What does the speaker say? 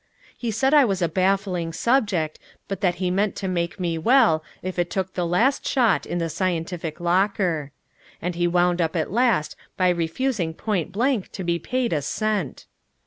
He said I was a baffling subject, but that he meant to make me well if it took the last shot in the scientific locker. And he wound up at last by refusing point blank to be paid a cent!